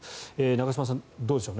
中嶋さん、どうでしょう。